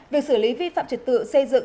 việc xử lý vi phạm trật tự xây dựng